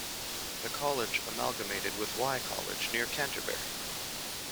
The college amalgamated with Wye College near Canterbury.